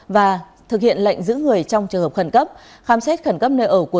và thực hiện lệnh giữ người trong trường hợp khẩn cấp